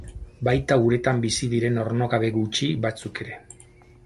Baita uretan bizi diren ornogabe gutxi batzuk ere.